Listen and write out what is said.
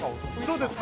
◆どうですか。